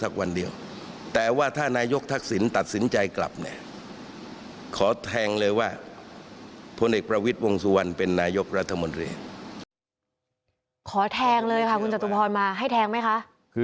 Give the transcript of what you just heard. คือคุณจัตรุพรมาให้แทงไหมคะ